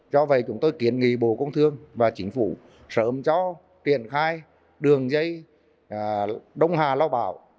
do vậy chúng tôi kiến nghị bộ công thương và chính phủ sớm cho triển khai đường dây đông hà lao bảo